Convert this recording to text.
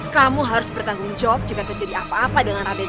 kamu harus bertanggung jawab jika terjadi apa apa dengan rame